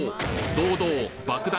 堂々爆弾